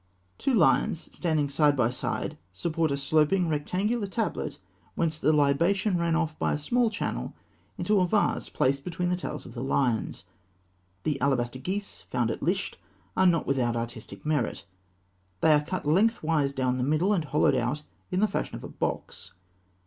Two lions, standing side by side, support a sloping, rectangular tablet, whence the libation ran off by a small channel into a vase placed between the tails of the lions. The alabaster geese found at Lisht are not without artistic merit. They are cut length wise down the middle, and hollowed out, in the fashion of a box.